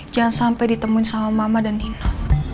jangan sampai ditemuin sama mama dan dino